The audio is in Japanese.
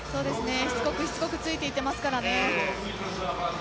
しつこくしつこくついていっていますからね。